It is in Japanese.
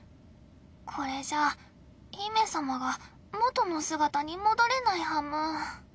これじゃあ姫様が元の姿に戻れないはむぅ。